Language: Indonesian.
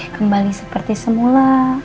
kembali seperti semula